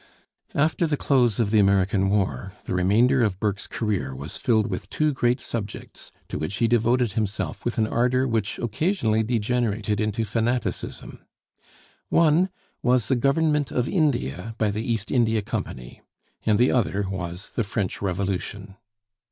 After the close of the American War, the remainder of Burke's career was filled with two great subjects, to which he devoted himself with an ardor which occasionally degenerated into fanaticism. One was the government of India by the East India Company, and the other was the French Revolution.